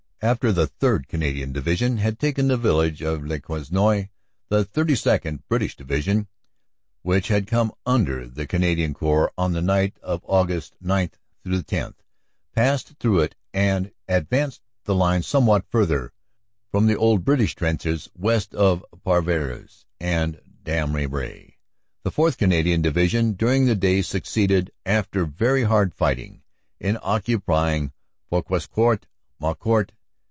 After the 3rd. Canadian Division had taken the village of Le Quesnoy, the 32nd. (British) Division, which had come under the Cana dian Corps on the night of Aug. 9 10, passed through it and advanced the line somewhat further from the old British trenches west of Parvillers and Damery. The 4th. Canadian Division during the day succeeded, after very hard fighting, in occupying Fouquescourt, Maucourt.